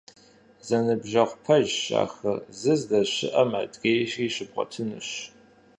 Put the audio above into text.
Зэныбжьэгъу пэжщ ахэр, зыр здэщыӀэм адрейри щыбгъуэтынущ.